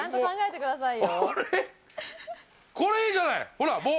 これいいじゃない、ほら、棒！